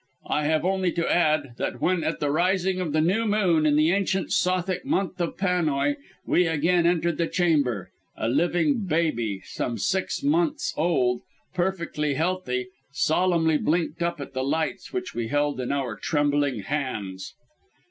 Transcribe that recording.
I have only to add, that when at the rising of the new moon in the ancient Sothic month of Panoi, we again entered the chamber, a living baby, some six months old, perfectly healthy, solemnly blinked up at the lights which we held in our trembling hands!"